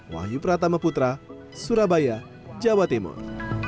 wahyu pratama putra surabaya jawa timur